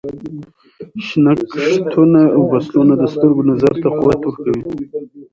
شنه کښتونه او فصلونه د سترګو نظر ته قوت ورکوي.